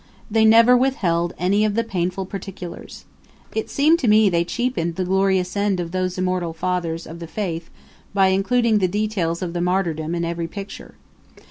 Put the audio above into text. They never withheld any of the painful particulars. It seemed to me they cheapened the glorious end of those immortal fathers of the faith by including the details of the martyrdom in every picture.